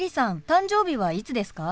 誕生日はいつですか？